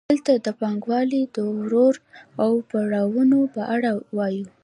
دلته د پانګوالۍ د دورو او پړاوونو په اړه وایو